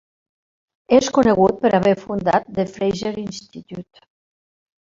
És conegut per haver fundat The Fraser Institute.